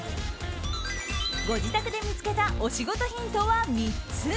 ご自宅で見つけたお仕事ヒントは３つ。